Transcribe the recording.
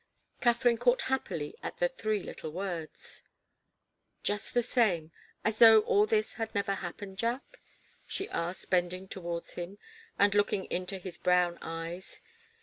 Katharine caught happily at the three little words. "Just the same as though all this had never happened, Jack?" she asked, bending towards him, and looking into his brown eyes.